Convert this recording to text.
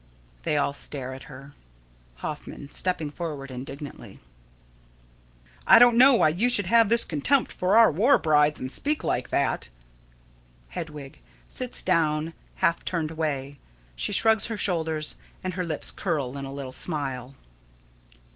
[They all stare at her.] Hoffman: [Stepping forward indignantly.] I don't know why you should have this contempt for our war brides, and speak like that. Hedwig: [_Sits down, half turned away. She shrugs her shoulders, and her lips curl in a little smile.